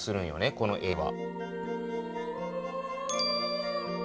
この絵は。